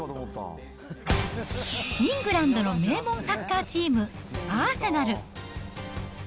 イングランドの名門サッカーチーム、アーセナル。